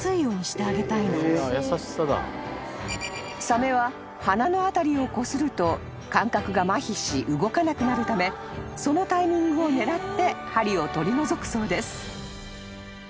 ［サメは鼻のあたりをこすると感覚がまひし動かなくなるためそのタイミングを狙って針を取り除くそうです］